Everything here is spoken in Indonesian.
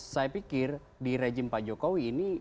saya pikir di rejim pak jokowi ini